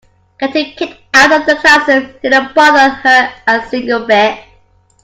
Getting kicked out of the classroom didn't bother her a single bit.